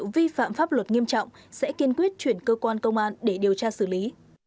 nếu có dấu hiệu vi phạm pháp luật nghiêm trọng sẽ kiên quyết chuyển cơ quan công an để điều tra xử lý